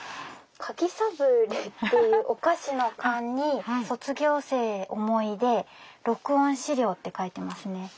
「柿サブレー」っていうお菓子の缶に「卒業生思い出録音資料」って書いてますね。